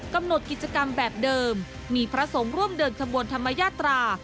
กำหนดกิจกรรมแบบเดิมมีพระสงฆ์ร่วมเดินขบวนธรรมยาตรา